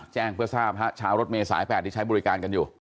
แจ้งเพื่อทราบฮะเช้ารถเมย์สาย๘ที่ใช้บริการกันอยู่